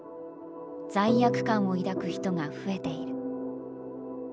罪悪感を抱く人が増えている。